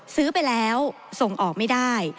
ซื้อไปแล้วส่งออกไม่ได้